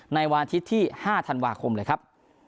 ในวันอาทิตย์ที่๕ธันวาคมเลยครับ